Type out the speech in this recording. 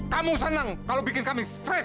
kamu senang kalau bikin kami stress